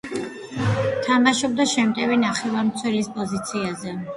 თამაშობდა შემტევი ნახევარმცველის პოზიციაზე.